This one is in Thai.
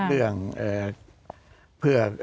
เรื่องเพื่อ